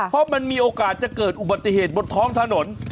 เพราะมันมีโอกาสจะเกิดอุบัติเหตุบนท้องถนน